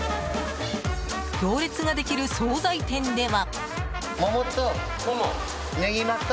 行列ができる総菜店では。